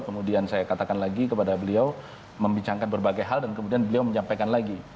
kemudian saya katakan lagi kepada beliau membincangkan berbagai hal dan kemudian beliau menyampaikan lagi